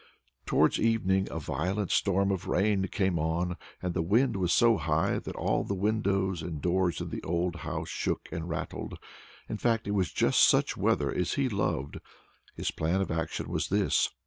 Towards evening a violent storm of rain came on, and the wind was so high that all the windows and doors in the old house shook and rattled. In fact, it was just such weather as he loved. His plan of action was this.